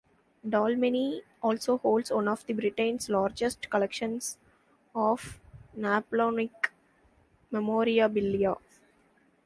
Dalmeny also holds one of Britain's largest collections of Napoleonic memorabilia.